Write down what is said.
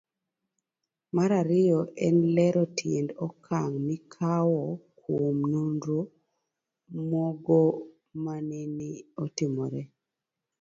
Mar ariyo en lero tiend okang' mikawo kuom nonro mogo manene otimore.